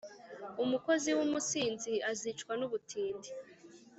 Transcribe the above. Umukozi w’umusinzi azicwa n’ubutindi,